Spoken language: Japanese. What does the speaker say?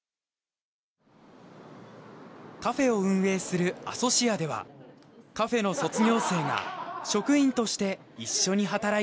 カフェを運営するアソシアではカフェの卒業生が職員として一緒に働いています。